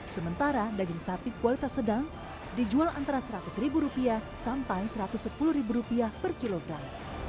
sementara daging sapi kualitas sedang dijual antara seratus rupiah sampai satu ratus sepuluh rupiah per kilogram